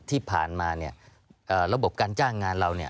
ที่ผ่านมาระบบการจ้างงานเรา